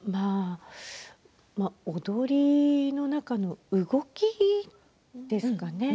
踊りの中の動きですかね。